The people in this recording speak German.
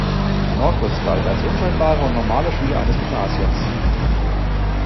Norkus galt als unscheinbarer und normaler Schüler eines Gymnasiums.